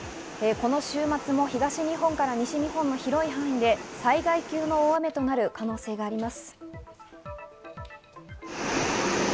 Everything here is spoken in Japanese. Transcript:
この週末も東日本から西日本の広い範囲で災害級の大雨となる可能性があります。